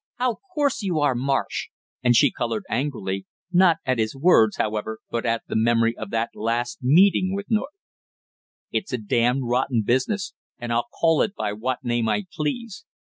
"How coarse you are, Marsh!" and she colored angrily, not at his words, however, but at the memory of that last meeting with North. "It's a damn rotten business, and I'll call it by what name I please!